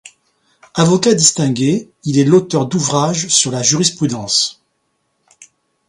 Avocat distingué, il est l'auteur d'ouvrages sur la jurisprudence.